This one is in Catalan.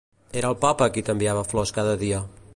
Era el papa qui t'enviava flors cada dia.